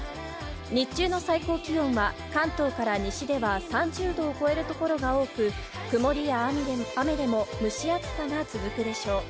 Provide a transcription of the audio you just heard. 日中の最高気温は、関東から西では３０度を超える所が多く、曇りや雨でも蒸し暑さが続くでしょう。